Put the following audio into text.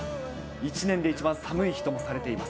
一年で一番寒い日とされています。